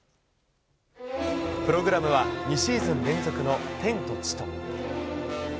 プログラムは２シーズン連続の「天と地と」。